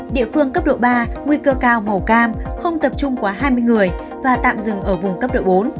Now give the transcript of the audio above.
địa phương cấp độ ba nguy cơ cao màu cam không tập trung quá hai mươi người và tạm dừng ở vùng cấp độ bốn